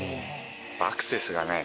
アクセスがね